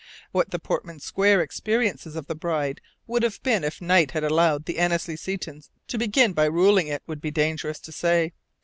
What the Portman Square experiences of the bride would have been if Knight had allowed the Annesley Setons to begin by ruling it would be dangerous to say.